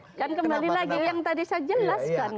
kembali lagi yang tadi saya jelaskan